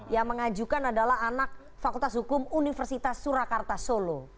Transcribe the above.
yang mengajukan adalah anak fakultas hukum universitas surakarta solo